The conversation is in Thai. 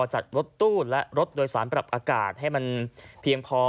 จัดรถตู้และรถโดยสารปรับอากาศให้มันเพียงพอ